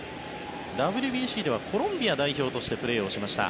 ＷＢＣではコロンビア代表としてプレーしました。